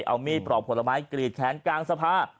เอามีดปลอกผลไม้กรีดแขนกลางสภา